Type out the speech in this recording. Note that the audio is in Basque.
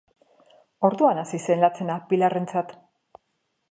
Orduan hasi zen latzena Pilarrentzat.